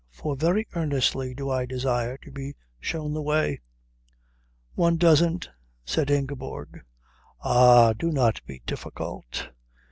For very earnestly do I desire to be shown the way." "One doesn't," said Ingeborg. "Ah, do not be difficult.